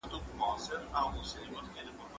زه ليکلي پاڼي نه ترتيب کوم،